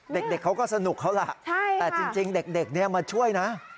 เด็กเขาก็สนุกเท่าไรครับแต่จริงเด็กนี่มาช่วยนะ